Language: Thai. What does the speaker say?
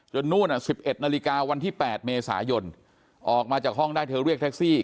นู่น๑๑นาฬิกาวันที่๘เมษายนออกมาจากห้องได้เธอเรียกแท็กซี่